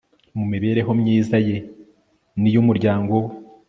mu mibereho myiza ye ni iyu muryango we